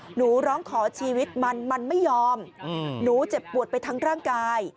หนูร้องขอชีวิตมันมันไม่ยอมหนูเจ็บปวดไปทั้งร่างกาย